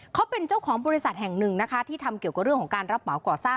เขาเป็นเจ้าของบริษัทแห่งหนึ่งนะคะที่ทำเกี่ยวกับเรื่องของการรับเหมาก่อสร้าง